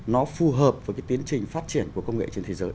nó phù hợp với cái tiến trình phát triển của công nghệ trên thế giới